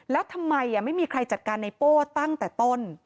แล้วทำไมไม่มีใครจัดการในโป้ตั้งแต่ต้น